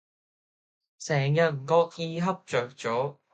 成日唔覺意恰著左